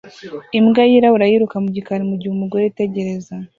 Imbwa yirabura yiruka mu gikari mugihe umugore yitegereza